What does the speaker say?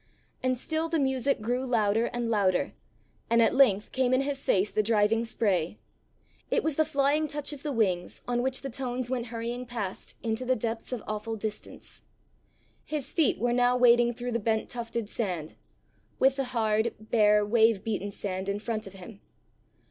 And still the music grew louder and louder and at length came in his face the driving spray: it was the flying touch of the wings on which the tones went hurrying past into the depths of awful distance! His feet were now wading through the bent tufted sand, with the hard, bare, wave beaten sand in front of him.